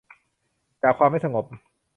จากความไม่สงบ